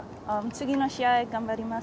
次の試合、頑張ります。